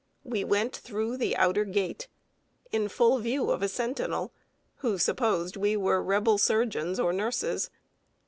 We went through the outer gate, in full view of a sentinel, who supposed we were Rebel surgeons or nurses.